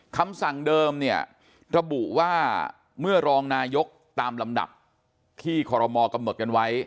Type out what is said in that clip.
คำสั่งเดิมเนี่ยระบุว่าเมื่อรองนายกตามลำดับที่คอรมอกำหนดกันไว้